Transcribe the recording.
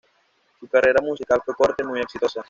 Su carrera musical fue corta y muy exitosa.